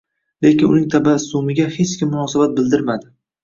Lekin uning tabassumiga hech kim munosabat bildirmadi